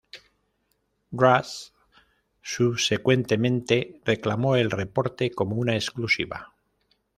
Drudge subsecuentemente reclamó el reporte como una exclusiva.